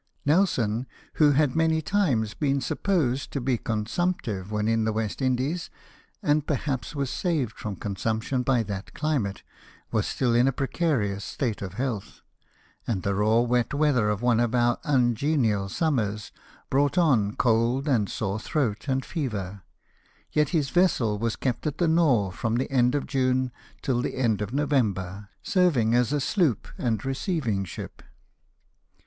Nelson, who had many times been supposed to be consumptive when in the West Indies, and perhaps was saved from consumption by that climate, was still in a precarious state of health; and the raw wet weather of one of our ungenial summers brought on cold and sore throat and fever ; yet his vessel was kept at the Nore from the end of June till the end of November, serving as a sloop and receiving ship.